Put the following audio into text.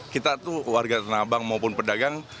kita tuh warga tanah abang maupun pedagang